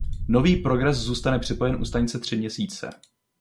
Nový Progress zůstane připojen u stanice tři měsíce.